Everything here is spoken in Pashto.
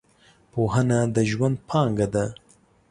پوهنه د ژوند پانګه ده .